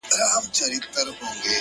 • هغه ژړ مازیګری دی هغه ډلي د زلمیو ,